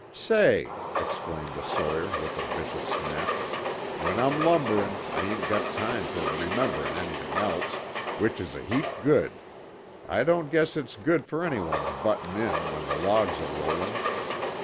"Say," exclaimed the sawyer, with a vicious snap, "when I'm lumberin' I ain't got time fer rememberin' anything else which is a heap good. I don't guess it's good for any one buttin' in when the logs are rollin'.